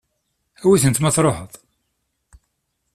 Awi-tent ma tṛuḥeḍ.